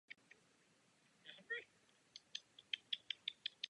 V obou případech odešla poražena.